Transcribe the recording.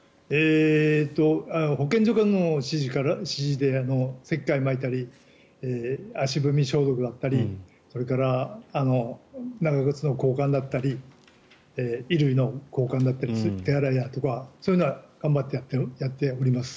保健所からの指示で石灰をまいたり足踏み消毒だったりそれから長靴の交換だったり衣類の交換だったり手洗いだったりとかはそういうのは頑張ってやっております。